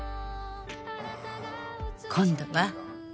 「今度は」